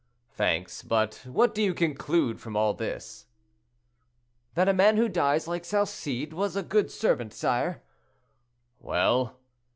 "Thanks; but what do you conclude from all this?" "That a man who dies like Salcede was a good servant, sire." "Well?"